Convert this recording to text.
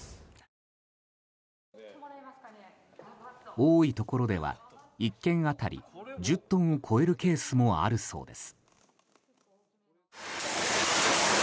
多いところでは１件当たり１０トンを超えるケースもあるそうです。